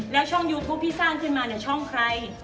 แล้วช่องยูทูปที่สร้างขึ้นมาเนี่ยช่องใคร